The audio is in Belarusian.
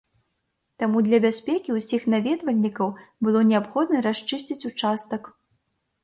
Таму для бяспекі ўсіх наведвальнікаў было неабходна расчысціць ўчастак.